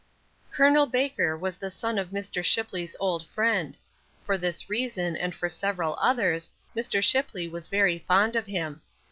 Col. Baker was the son of Mr. Shipley's old friend. For this reason, and for several others, Mr. Shipley was very fond of him.